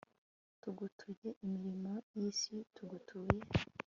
tugutuye imirimo y'isi, tugutuye